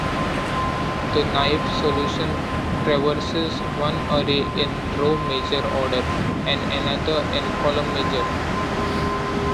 The naive solution traverses one array in row-major order and another in column-major.